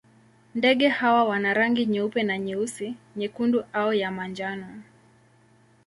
Ndege hawa wana rangi nyeupe na nyeusi, nyekundu au ya manjano.